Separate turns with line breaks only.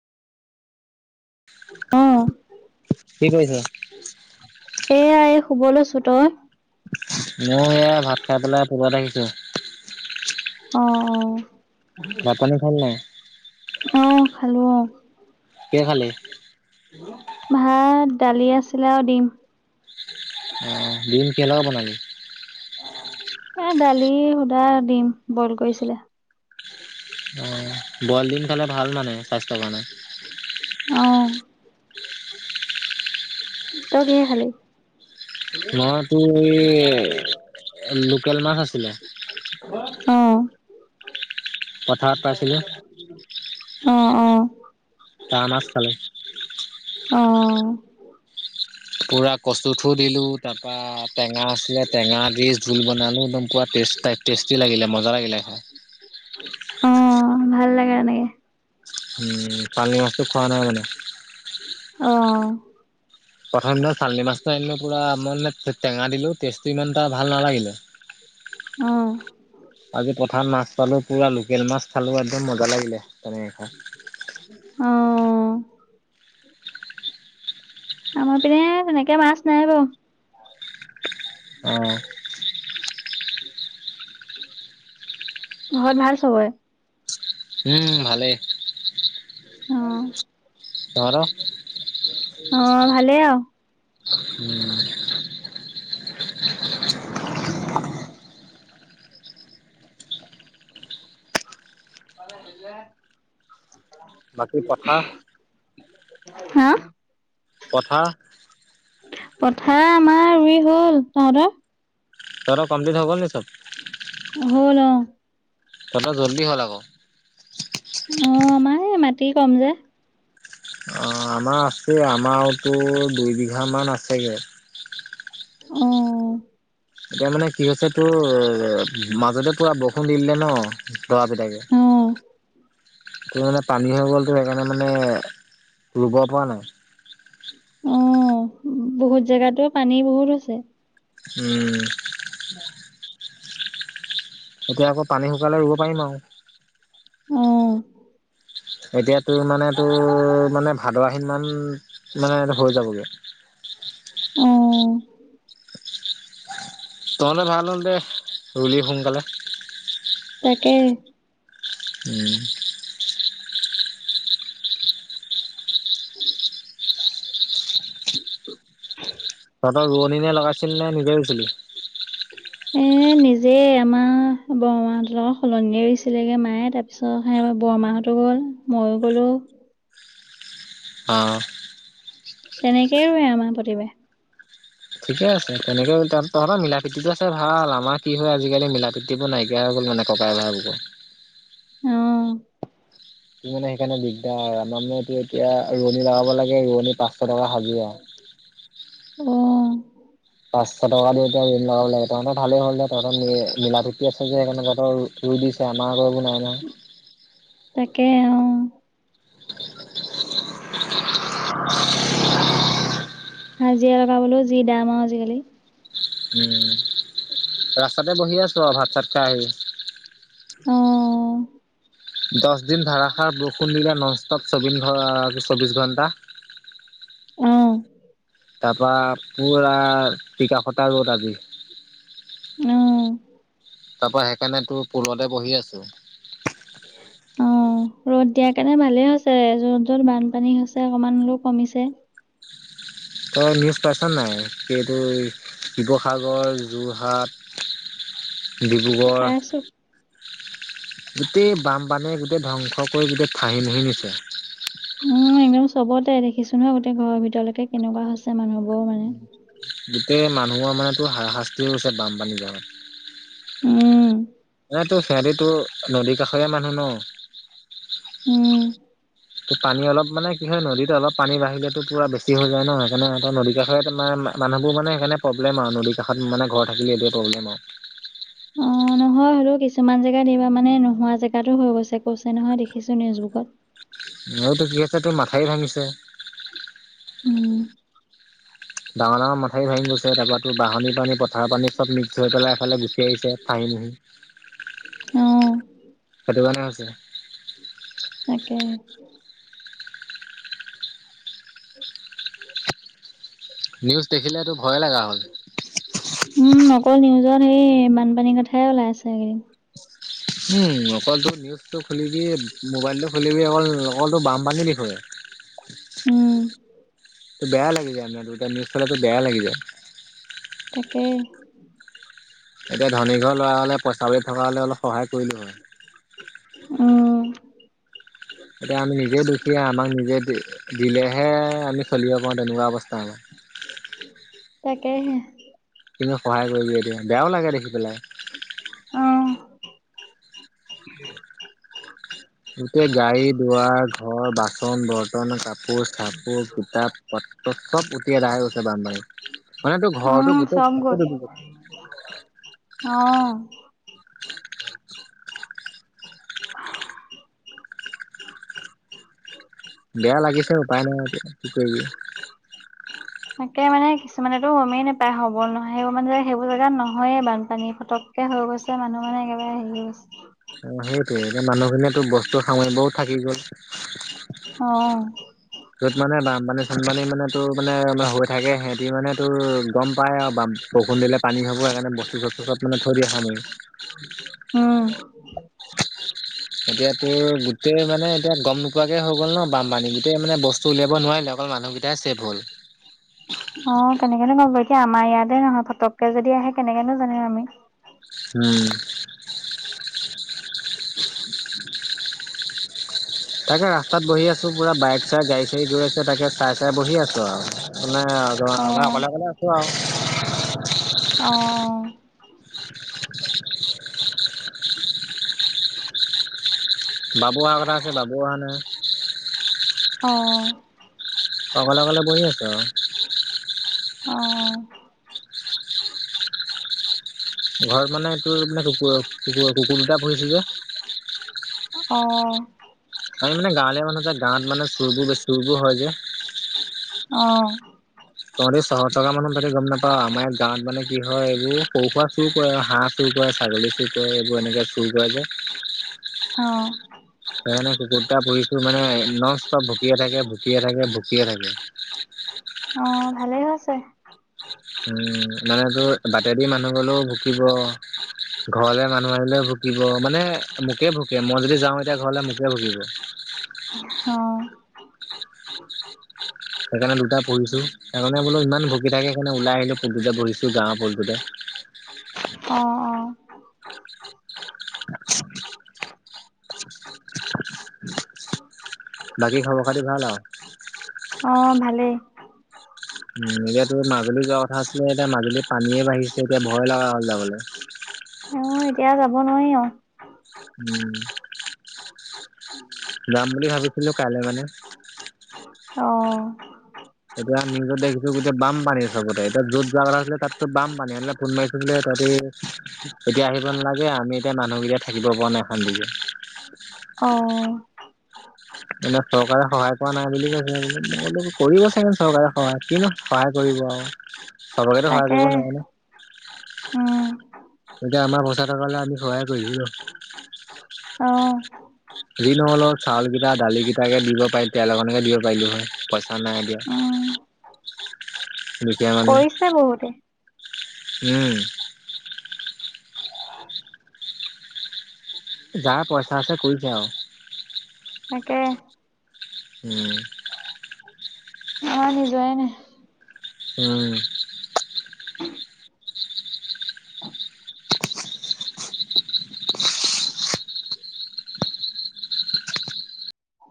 অ
কি কৰিছা?
এয়া, এই শুব লৈছো। তই?
মই এয়া ভাত খাই পেলাই কৰ'বাত আহিছো।
অঁ', -অঁ',
ভাত পানী খালি নাই?
অ', -খালো অঁ', -।
কি খালি?
ভাত দালি আছিলে আৰু ডিম।
অ', ডিম কিহৰ লগত বনালি?
এ' দালি সুধা ডিম বইল কৰিছিলে।
অহ', বইল ডিম খালে ভাল মানে স্বাস্থ্যৰ কাৰণে।
অঁ। তই কিহে খালি?
মইতো এই লোকেল মাছ আছিলে।
অঁ',
পথাৰত পাইছিলো
অঁহ', -অঁহ',।
তাৰ মাছ খালো।
অঁ।
পুৰা কচুৰঠু দিলো- তাৰ পৰা টেঙা আছিলে টেঙা ডি জুল বনালো একদম পুৰা টেষ্টি লাগিলে মজা লাগিলে খাই।
অঁ', ভাল লাগে তেনেকে।
উমঁ, পানী মাছটো খোৱা নহয় মানে।
অ'।
প্ৰথম দিনা চালনী মাছটো পুৰা মই টেঙা দিলো টেষ্টটো ইমান এটা ভাল নালাগিলে।
অ
[inaudible] আজি পথাৰত মাছ পালো, পুৰা লোকেল মাছ খালো, একদম মজা লাগিলে- তেনেকে খাই।
অঁ। আমাৰ পিনে তেনেকে মাছ নাই বাৰু।
অঁহ।
ঘৰত ভাল চবৰে?
উমঁ, ভালেই।
অঁহ',
তহঁতৰ?
অ', -ভালে আৰু।
উমঁ। বাকী পথাৰ
হাঁ?
পথা
পথা আমাৰ ৰুই হ'ল। তহঁতৰ?
তহত কমপ্লিট হৈ' গল নি চব।
হ'ল, অঁ'।
তহত জল্দি হ'ল আক।
অঁ, আমাৰ এই মাটি কম যে।
অঁ, আমা আছে, আমাৰতো দুইবিঘা মান আছেগে।
অঁ'
এতিয়া মানে কি হৈছে তোৰ মাজতে পূৰা বৰষুণ দিলে ন, - দবা পিতাকে।
অ',
এই মানে পানী হৈ গ'লতো, সেইকাৰণে মানে ৰুব পৰা নাই।
অঁ, বহুত জেগাতো, পানী বহুত আছে।
উম'
[unintelligible]
এতিয়া আকৌ পানী শুকালে ৰুব পাৰিম আৰু।
অঁ'
এতিয়া তোৰ মানে, তোৰ মানে ভাদ আহিন মান মানে হৈ যাবগে।
অঁ'
তহঁত ভাল হ'ল দে, ৰুলি সোনকালে।
তাকে।
উম'
[inaudible] [inaudible]
তহত ৰোৱণি নে লগাইছিলি নে‌ নিজে ৰুইছিলি। [inaudible]
নিজেই, আমা বৰমাহঁতৰ লগত সলনি এৰিছিলেগে, মায়ে তাৰপিছত সেই বৰমাহঁতো গ'ল- ময়ো গলোঁ-
অঁ'
তেনেকেই ৰুৱে আমাৰ প্ৰতিবায়।
ঠিকে আছে। তেনেকে তহত মিলা প্ৰীতিতো আছে ভাল আমাৰ কি হয়, আজিকালি মিলা- প্ৰিতিবো নাইকিয়া হৈ গ'ল মানে ককাই ভাই বোকোত।
অঁ'
ত মানে সেইকাৰণে দিগদাৰ আৰু আমাৰ মানে এইটো এতিয়া ৰোৱনী লগাব লাগে, ৰোৱনী পাঁচশ টকা সাজিৰা।
অঁ'
পাঁচশ টকা দি এতিয়া ৰুৱণি লগাব লাগে, তঁতৰ ভালেই হ'ল তহঁতৰ মিলাপীতি আছে, যে সেইকাৰণে তঁতৰ ৰু- ৰুই দিছে আমাৰ আক এইবোৰ নাই নহয়।
তাকে, অঁ। [inaudible]
[inaudible]
হাজিৰা লগাবলৈও যি দাম আৰু আজিকালি।
উম' ৰাস্তাতে বহি আছো আও ভাত চাত খাই আহি।
অঁ'
দছ দিন ধাৰষাৰ বৰষুণ দিলে নষ্টত চবিন ঘ চৌবিশ ঘণ্টা।
অঁ'
তাপা পুৰা টিকাফতা ৰদ আজি।
অ'।
তাৰ পৰা সেইকাৰণে তোৰ ফুলতে বহি আছো। [inaudible]
অ ৰ'দ দিয়াৰ কাৰণে ভালে হৈছে য'ত য'ত বানপানী হৈছে অকমান হলিও কমিছে।
তই নিউজ পাইছ নাই? এইটো শিৱসাগৰ, যোৰহাট ডিব্ৰুগড়
পাইছো
গোটেই বামপানীয়ে গোটেই ধ্বংস কৰি গোটেই ফাহি নুহি নিছে।
উম একদম চবতে দেখিছোনে গোটেই ঘৰৰ ভিতৰলৈকে কেনেকুৱা হৈছে মানুহবোৰৰ মানে।
গোটেই মানুহৰ মানে তোৰ হাৰা শাস্তি হৈছে বানপানী কাৰণে।
উম।
এ তোৰ সিহঁতি তোৰ নদীৰ কাষৰীয়া মানুহ ন?
উম।
ত পানী অলপ মানে কি হয় নদীত অলপ পানী বাঢ়িলেত তো পুৰা বেছি হৈ যায় ন সেইকাৰণে তটা নদী কষৰে তোমাৰ মানুহবোৰ মানে সেইকাৰে প্ৰব্লেম আৰু নদীৰ কাষত ঘৰ থাকিলি এইটোৱেই প্ৰব্লেম আৰু।
অ', নহয় হ'লেও কিছু জেগাতা এইবাৰ মানে নোহোৱা জেগাতো হৈ গৈছে, কৈছে নহয় দেখিছো নিউজবুকত।
এইতটো কি আছে তাৰ মাথাইৰি ভাঙিছে।
উম।
ডাঙৰ ডাঙৰ মাঠৰি ভঙি গৈছে, তাৰপৰা তোৰ বাহানী পানী, পথাৰৰ পানী চব মিক্স হৈ পেলাই এফালে গুচি আহিছে।
অ',
[unintelligible] সেইটো কাৰণে হৈছে।
তাকে।
নিউজ দেখিলেতটো ভয় লগা হ'ল।
উম অকল নিউজৰ সেই বানপানীৰ কথাই ওলাই আছেগে।
উম অকল তোৰ নিউজটো খুলিবি, মোবাইলটো খুলিবি অকল অকলো বামপানী বিষয়ে। [inaudible]
উম।
বেয়া লাগি যায় [unintelligible] নিজ চালে তোৰ বেয়া লাগি যায়।
তাকে।
এতিয়া ধনী ঘৰ ল'ৰা হ'লে পইচা পতি থকা হ'লে অলপ সহায় কৰিলো হয়।
উম।
এতিয়া আমি নিজে দুখীয়া, আমাক নিজে দিলেহে আমি চলিব পাৰোঁ তেনেকুৱা অৱস্থা আমাৰ।
তাকেহে।
কিনো সহায় কৰি এতিয়া, বেয়াও লাগে দেখি পেলাই।
অ।
যেতিয়া গাড়ী, দুৱাৰ, ঘৰ, বাচন-বৰ্তন, কাপোৰ-চাপোৰ, কিতাপ চব উটি আদায় হৈ গৈছে বানপানীত। মানে তোৰ
উম,
ঘৰটো গোটেই
চব
ঘৰ
গ'ল
ডুবি গৈ
অ [unintelligible]
বেয়া লাগিছে উপাই নাই কি কৰিবি।
তাকে মানে কিছুমানেতো গমেই নাপায় হ'ব নহয় সেইবোৰ মানে সেইবোৰ জেগাত নহয়ে বানপানী ফটক কে হৈ গৈছে মানুহ মানে একেবাৰে হেৰি হৈ গৈছে।
অ সেইটো এতিয়া মানুহ খিনিয়েতো বস্তু সামৰিব থাকি গ'ল।
অ।
য'ত মানে বানপানী-চানপানী মানে তোৰ মানে হৈ থাকে সিহঁতি মানে তোৰ গম পাই আৰু বাম বৰষণ দিলে পানী হ'ব সেইকাৰণে বস্তু-চস্তু মানে থৈ দিয়ে
উম।
এতিয়া তোৰ গোটেই মানে এতিয়া গম নোপোৱাকে হৈ গ'ল ন বানপানী গোটেই মানে বস্তু উলিয়াব নোৱাৰিলে অকল মানুহ কেইটা টা চেভ হ'ল।
অ কেনেকনো গম পাব, এতিয়া আমাৰ ইয়াতে নহয় ফটকে যদি আহে কেনেকেনো জানিম আমি।
উমঁ! তাকে ৰাস্তাত বহি আছো পুৰা বাইক চাই গাড়ী চাড়ী গৈ আছে তাকে চাই চাই বহি আছো আও। হোনা তোমাৰ মই অকলে অকলে আছো আও।
অঁ!
বাবু অহা কথা আছে বাবু অহা নাই।
অঁ!
অকলে অকলে বহি আছো আও।
অ
ঘৰত মানে এইটোৰে কুকুৰ কুকুৰ কুকুৰ দুটা পুহিছিলো যে।
অঁ!
আমি মানে গাঁৱলীয়া মানুহ যে গাঁৱত মানে চোৰবোৰ বেছি চুৰবোৰ হয় যে।
অঁ!
তহঁতে চহৰত থকা মানুহ তাতে গম নাপাওঁ আমাৰ গাঁৱত মানে কি হয় এইবোৰ পৰা- চুৰ কৰে হাঁহ চুৰ কৰা ছাগলী চুৰ কৰে এইবোৰ এনেকে চুৰ কৰে যে
অঁ!
সেইকাৰণে কুকুৰতটা পুহিছো মানে নচটব ভকিয়ে থাকে ভুকিয়ে থাকে ভকিয়ে থাকে।
অঁ ভালে হৈছে।
উমঁ মানে তোৰ বাটেদি মানুহ গলেও ভুকিব। ঘৰলে মানুহ আহিলেও ভুকিব মানে মোকে ভুকে মই যদি যাও এতিয়া ঘৰলে মোকে ভুকিব।
অঁ!
সেইকাৰণে দুটা পুহিছো সেইকাৰণে বোলো ইমান ভূকি থাকে সেইকাৰণে ওলাই আহিলো পুলটোতে বহিছো গাঁৱৰ পুলটোতে।
অঁ অঁ
[inaudible] বাকী খবৰ খাতি ভাল আও।
অঁ ভালেই।
উমঁ নিজেতো মাজুলী যোৱা কথা আছিলে এতিয়া মাজুলীত পানীয়ে বাঢ়িছে এতিয়া ভয় লগা হ'ল যাবলে।
মই এতিয়া যাব নোৱাৰি অও।
উমঁ যাম বুলি ভাবিছিলো কাইলৈ মানে।
অঁ!
এতিয়া নিজৰ দেখছো গোটেই বামপানী চবতে এতিয়া য'ত যোৱা কথা আছিলে তাততো বামপানী সেইবিলাক। ফোন মাৰিছিলে তহতি এতিয়া আহিব নালাগে আমি এতিয়া মানুহকেইটা থাকিব পৰা নাই এখন লৈকে।
অঁ!
মানে চৰকাৰে সহায় কৰা নাই বুলি কৈছে বল কৰিব চাগে চৰকাৰে সহায় কিনো সহায় কৰিব আও। চবকেতো সহায়
তাকে
কৰিব নোৱাৰি ন।
উম
এতিয়া আমাৰ পইচা থকা হ'লে আমি সহায় কৰিলো নহ।
অঁ!
যি নহলও চাউল কেইটা দালি কেইটাকে দিব পাৰিলো তেল অকন দিব পাৰিলো হয় পইচা নাই দিয়া।
উম
দোখিয়া মানু।
আছে বহুতে।
উমঁ। যাৰ পইচা আছে কৰিছে আৰু।
তাকে।
উমঁ।
অঁ হিযোৱাই নাই।
উমঁ।